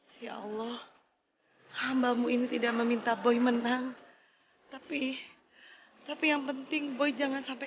hai ya allah hambamu ini tidak meminta boy menang tapi tapi yang penting boy jangan sampai